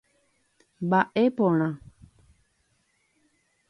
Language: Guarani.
Mba'e porã.